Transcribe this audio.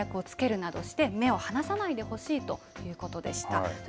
見張り役をつけるなどして目を離さないでほしいということでした。